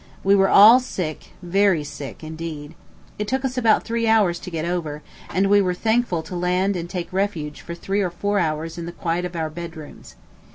We were all sick, very sick indeed. It took us about three hours to get over, and we were thankful to land and take refuge for three or four hours in the quiet of our bedrooms.